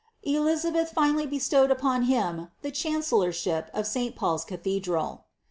Elizabeth finally be llowed upon him the chancellorship of St. PauPs Cathedral.'